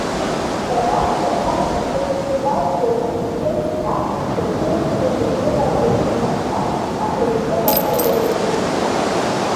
Дараҭиа Пас-иԥеи Кәаӡ Дауҭ-иԥеи асасцәа чеиџьыкак рзыҟарҵарц рҭаххан, аха иззыҟарҵоз ирымуит.